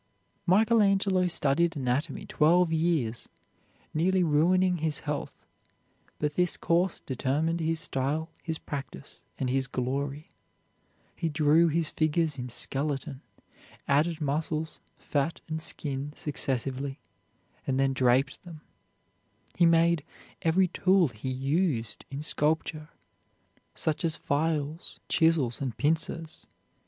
Michael Angelo studied anatomy twelve years, nearly ruining his health, but this course determined his style, his practice, and his glory. He drew his figures in skeleton, added muscles, fat, and skin successively, and then draped them. He made every tool he used in sculpture, such as files, chisels, and pincers.